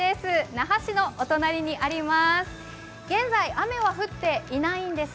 那覇市のお隣にあります。